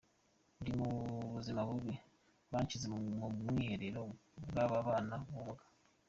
Ndi mu buzima bubi, banshyize mu bwiherero bw’ababana n’ubumuga.